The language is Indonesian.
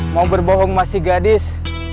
mau berbohong masih gadis